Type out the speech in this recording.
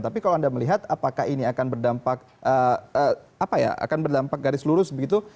tapi kalau anda melihat apakah ini akan berdampak garis lurus begitu